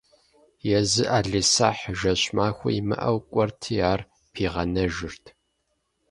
Езы ӏэлисахь, жэщ-махуэ имыӏэу, кӏуэрти ар пигъэнэжырт.